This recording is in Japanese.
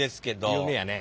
有名やね。